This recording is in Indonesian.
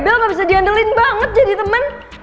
bel gak bisa diandelin banget jadi temen